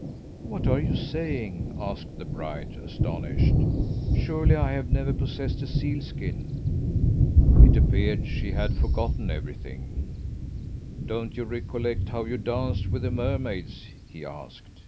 "'What are you saying?' asked the bride, astonished. 'Surely I have never possessed a seal skin!' It appeared she had forgotten everything. "'Don't you recollect how you danced with the mermaids?' he asked.